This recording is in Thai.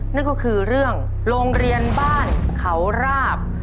นั่นก็คือเรื่องโรงเรียนบ้านเขาราบ